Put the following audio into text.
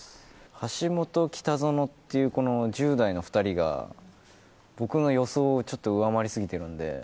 橋本、北園っていう、この１０代の２人が、僕の予想をちょっと上回り過ぎてるんで。